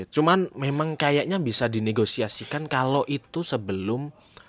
cuman memang kayaknya bisa dinegosiasikan kalau itu sebelum